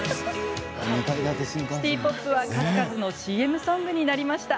シティ・ポップは数々のＣＭソングになりました。